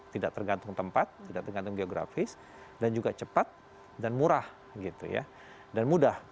tidak tergantung tempat tidak tergantung geografis dan juga cepat dan murah gitu ya dan mudah